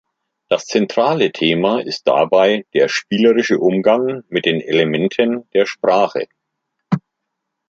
Das zentrale Thema ist dabei der spielerische Umgang mit den Elementen der Sprache.